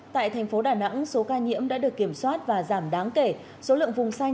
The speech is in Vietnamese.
tại thành phố đà nẵng số ca nhiễm đã được kiểm soát và giảm đáng kể số lượng vùng xanh